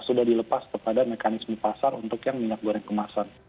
sudah dilepas kepada mekanisme pasar untuk yang minyak goreng kemasan